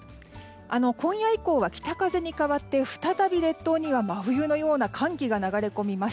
今夜以降は北風に変わって再び列島には真冬のような寒気が流れ込みます。